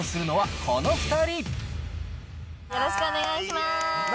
よろしくお願いします。